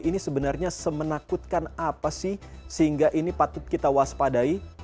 ini sebenarnya semenakutkan apa sih sehingga ini patut kita waspadai